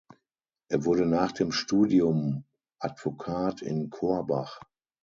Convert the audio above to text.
Er wurde nach dem Studium Advokat in Korbach.